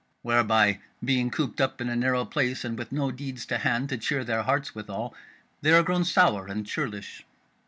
Whereby, being cooped up in a narrow place, and with no deeds to hand to cheer their hearts withal, they are grown sour and churlish."